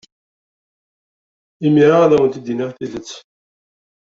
Imir-a ad awent-d-iniɣ tidet.